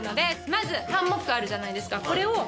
まずハンモックあるじゃないですか。